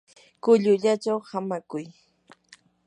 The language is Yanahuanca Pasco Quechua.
kullullachaw hamakuy.